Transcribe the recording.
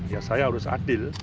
ya saya harus adil